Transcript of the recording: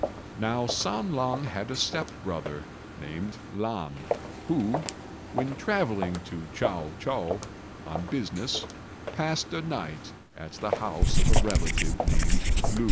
Now San lang had a step brother, named Lan, who, when travelling to Chiao chou on business, passed a night at the house of a relative named Lu.